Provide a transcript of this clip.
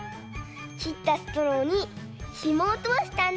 きったストローにひもをとおしたんだ。